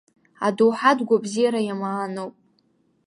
Адоуҳатә гәабзиара иамааноуп.